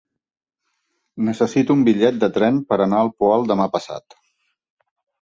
Necessito un bitllet de tren per anar al Poal demà passat.